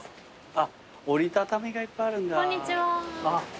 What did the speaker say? あっ折り畳みがいっぱいあるんだ。